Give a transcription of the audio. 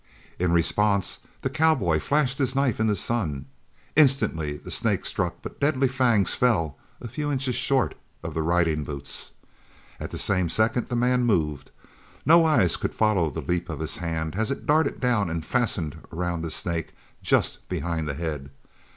In response the cowboy flashed his knife in the sun. Instantly the snake struck but the deadly fangs fell a few inches short of the riding boots. At the same second the man moved. No eye could follow the leap of his hand as it darted down and fastened around the snake just behind the head.